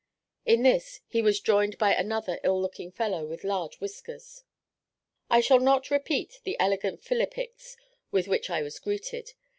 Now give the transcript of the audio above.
In this, he was joined by another ill looking fellow, with large whiskers. I shall not repeat the elegant philippics with which I was greeted.